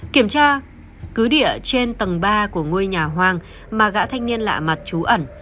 kiểm tra cứ địa trên tầng ba của ngôi nhà hoang mà gã thanh niên lạ mặt trú ẩn